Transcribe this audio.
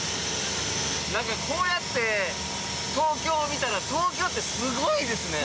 なんかこうやって東京を見たら東京ってすごいですね。